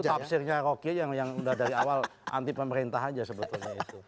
tafsirnya rocky yang udah dari awal anti pemerintah aja sebetulnya itu